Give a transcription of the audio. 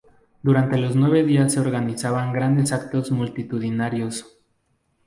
Durante los nueve días se organizaban grandes actos multitudinarios.